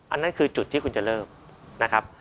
อันนั้นคือจุดที่คุณจะเลิกนะครับ